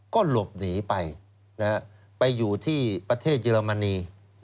ก็หลบหนีไปไปอยู่ที่ประเทศเยอรมนี